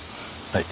はい。